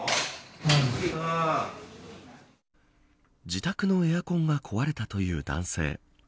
自宅のエアコンが壊れたという男性。